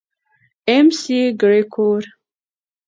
اېم سي ګرېګور.